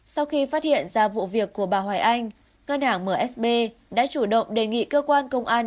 sau khi phát hiện ra vụ việc của bà hoài anh ngân hàng msb đã chủ động đề nghị cơ quan công an